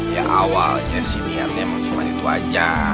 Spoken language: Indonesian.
ya awalnya sih lihatnya emang cuma itu aja